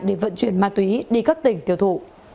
để vận chuyển ma túy đi các tỉnh tiêu thụ